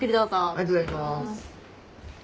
ありがとうございます。